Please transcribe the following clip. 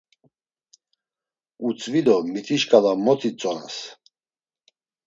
Utzvi do miti şǩala mot itzonas.